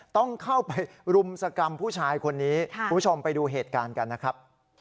ต้องเข้าไปรุมสกรรมผู้ชายคนนี้คุณผู้ชมไปดูเหตุการณ์กันนะครับ